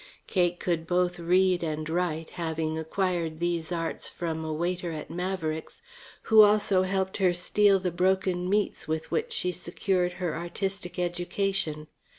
Cake could both read and write, having acquired these arts from a waiter at Maverick's, who also helped her steal the broken meats with which she secured her artistic education.